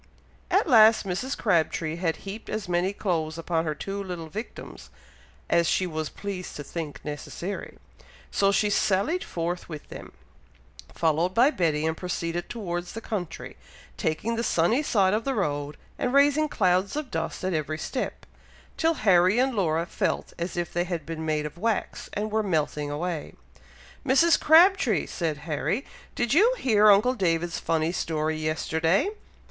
At last Mrs. Crabtree had heaped as many clothes upon her two little victims, as she was pleased to think necessary; so she sallied forth with them, followed by Betty, and proceeded towards the country, taking the sunny side of the road, and raising clouds of dust at every step, till Harry and Laura felt as if they had been made of wax, and were melting away. "Mrs. Crabtree!" said Harry, "did you hear uncle David's funny story yesterday?